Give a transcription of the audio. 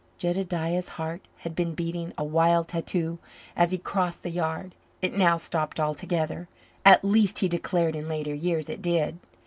Jedediah's heart had been beating a wild tattoo as he crossed the yard. It now stopped altogether at least he declared in later years it did.